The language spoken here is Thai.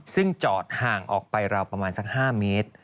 ซึ่งจอดห่างออกไปราวประมาณสัก๕เมตร